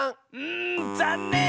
んざんねん！